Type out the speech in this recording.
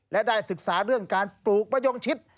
และได้ศึกษาเรื่องการปลูกมะยงชิด